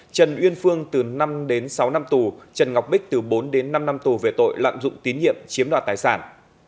trần uyên phương từ năm đến sáu năm tù trần ngọc bích từ bốn đến năm năm tù về tội lạm dụng tín nhiệm chiếm đoạt tài sản